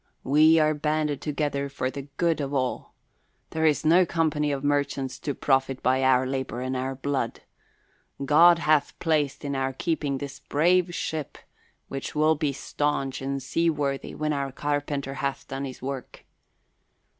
"We are banded together for the good of all. There is no company of merchants to profit by our labour and our blood. God hath placed in our keeping this brave ship, which will be staunch and sea worthy when our carpenter hath done his work.